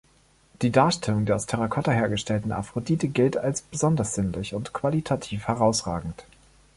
Die Darstellung der aus Terrakotta hergestellten Aphrodite gilt als besonders sinnlich und qualitativ herausragend.